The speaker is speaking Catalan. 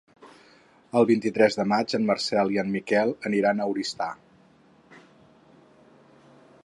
El vint-i-tres de maig en Marcel i en Miquel aniran a Oristà.